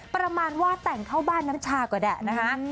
ประมาณว่าแต่งเข้าบ้านน้ำชาก็ได้นะคะ